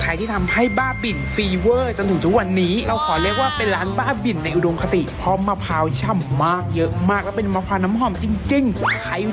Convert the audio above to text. อ๋อค่ะแม่ค้าหน้าเตาคือทำกันไม่หวัดไม่ไหว